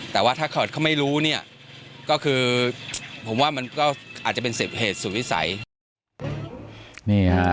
แต่ว่าถ้าเขาไม่รู้เนี่ยก็คือผมว่ามันก็อาจจะเป็น๑๐เหตุสุดวิสัย